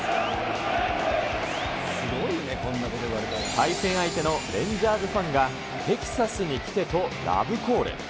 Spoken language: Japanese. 対戦相手のレンジャーズファンが、テキサスに来てとラブコール。